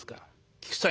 菊池さん